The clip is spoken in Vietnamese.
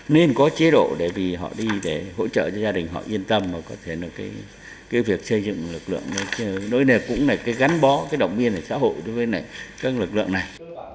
nên có chế độ để vì họ đi để hỗ trợ cho gia đình họ yên tâm và có thể là cái việc xây dựng lực lượng đối này cũng là cái gắn bó cái động viên ở xã hội đối với các lực lượng này